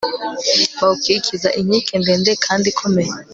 bawukikiza inkike ndende kandi ikomeye